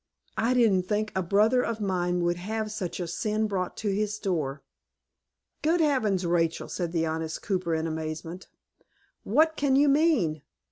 I didn't think a brother of mine would have such a sin brought to his door." "Good heavens, Rachel!" said the honest cooper, in amazement, "what can you mean?"